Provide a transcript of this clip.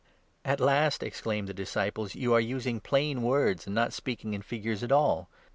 "At last," exclaimed the disciples, "you are using plain 29 words and1 not speaking in figures at all.